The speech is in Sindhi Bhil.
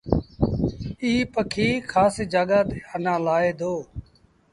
ايٚ پکي کآس جآڳآ تي آنآ لآهي دو۔